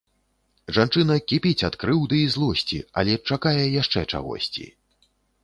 Жанчына кіпіць ад крыўды і злосці, але чакае яшчэ чагосьці.